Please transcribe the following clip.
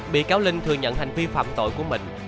bị cáo linh thừa nhận hành vi phạm tội của mình